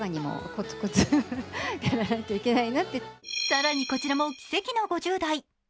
さらにこちらも奇跡の５０代。